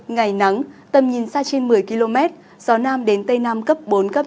ngày nắng tầm nhìn xa trên một mươi km gió nam đến tây nam cấp bốn cấp năm